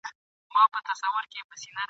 عاقبت به خپل تاریخ ته مختورن یو !.